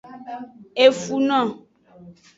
Efuno.